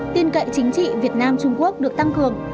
tin cậy chính trị việt nam trung quốc được tăng cường